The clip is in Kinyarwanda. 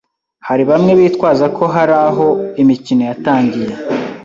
hari bamwe bitwaza ko hari aho imikino yatangiye